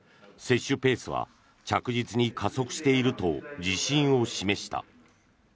接種ペースは着実に加速していると自信を示した。